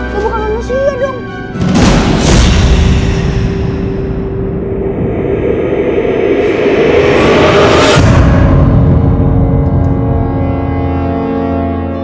dibuka manusia dong